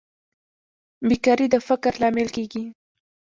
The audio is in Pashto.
بیکاري د فقر لامل کیږي